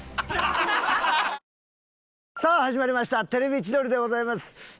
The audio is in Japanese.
さあ始まりました『テレビ千鳥』でございます。